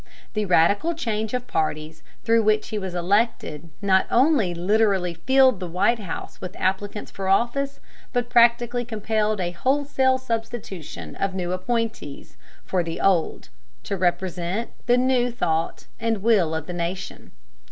The radical change of parties through which he was elected not only literally filled the White House with applicants for office, but practically compelled a wholesale substitution of new appointees for the old, to represent the new thought and will of the nation.